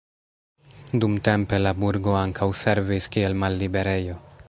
Dumtempe la burgo ankaŭ servis kiel malliberejo.